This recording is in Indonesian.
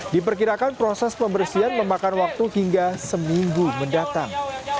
diperkirakan proses pembersihan memakan waktu hingga seminggu mendatang